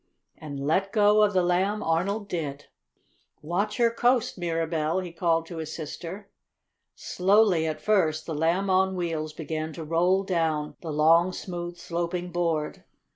And let go of the Lamb Arnold did. "Watch her coast, Mirabell!" he called to his sister. Slowly at first, the Lamb on Wheels began to roll down the long, smooth, sloping board.